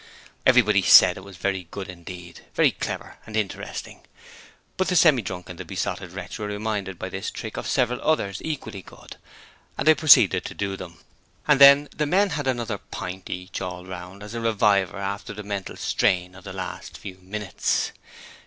Everybody said it was very good indeed, very clever and interesting. But the Semi drunk and the Besotted Wretch were reminded by this trick of several others equally good, and they proceeded to do them; and then the men had another pint each all round as a reviver after the mental strain of the last few minutes.